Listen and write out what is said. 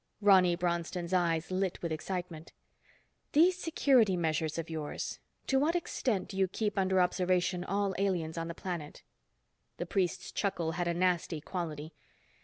Ronny Bronston's eyes lit with excitement. "These security measures of yours. To what extent do you keep under observation all aliens on the planet?" The priest's chuckle had a nasty quality.